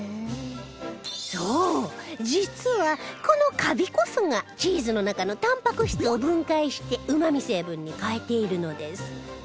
そう実はこのカビこそがチーズの中のタンパク質を分解してうまみ成分に変えているのです